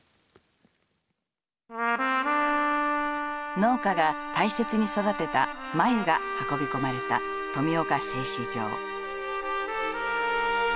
農家が大切に育てた繭が運び込まれた、富岡製糸場。